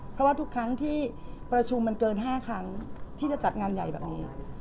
เพราะว่าทุกครั้งที่ประชุมมันเกิน๕ครั้งที่จะจัดงานใหญ่แบบนี้